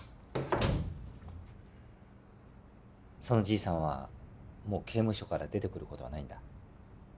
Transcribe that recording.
そのじいさんはもう刑務所から出てくる事はないんだ。